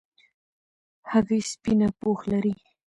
هګۍ سپینه پوښ لري.